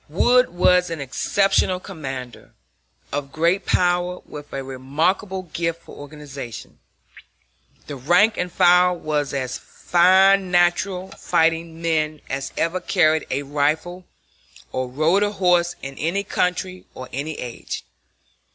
Wood was an exceptional commander, of great power, with a remarkable gift for organization. The rank and file were as fine natural fighting men as ever carried a rifle or rode a horse in any country or any age.